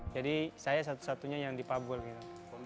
jadi saya satu satunya yang dipabol gitu